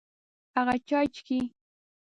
هغه چای چیکي.